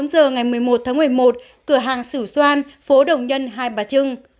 một mươi bốn h ngày một mươi một tháng một mươi một cửa hàng sử xoan phố đồng nhân hai bà trưng